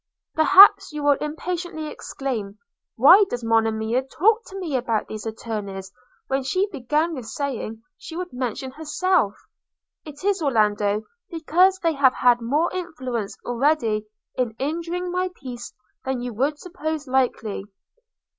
'Perhaps you will impatiently exclaim, Why does Monimia talk to me about these attorneys when she began with saying she would mention herself? It is, Orlando, because they have had more influence already in injuring my peace than you would suppose likely.